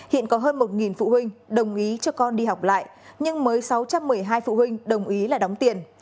hiện có hơn một phụ huynh đồng ý cho con đi học lại nhưng mới sáu trăm một mươi hai phụ huynh đồng ý là đóng tiền